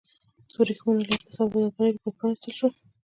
د ورېښمو لاره د سوداګرۍ لپاره پرانیستل شوه.